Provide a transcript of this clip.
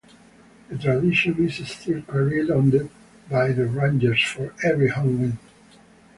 The tradition is still carried on by the Rangers for every home win.